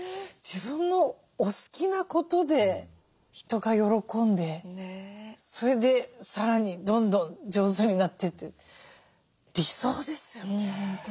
自分のお好きなことで人が喜んでそれでさらにどんどん上手になってって理想ですよね。